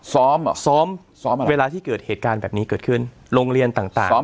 ซ้อมเหรอซ้อมซ้อมเวลาที่เกิดเหตุการณ์แบบนี้เกิดขึ้นโรงเรียนต่าง